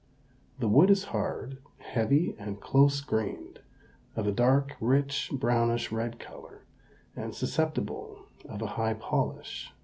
The wood is hard, heavy and close grained, of a dark, rich brownish red color, and susceptible of a high polish.